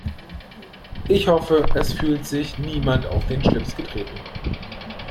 Ich hoffe, es fühlt sich niemand auf den Schlips getreten.